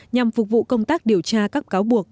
nhằm phục vụ công tác điều tra các cáo buộc